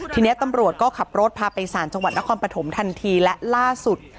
ทีนี้ตำรวจก็ขับรถพาไปสารจังหวัดนครปฐมทันทีและล่าสุด